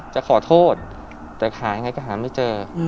จะขอโทษแต่ขายยังไงก็หาไม่เจอ